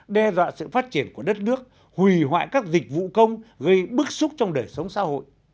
đe dọa sự phát triển của đất nước hủy hoại các dịch vụ công gây bức xúc trong đời sống xã hội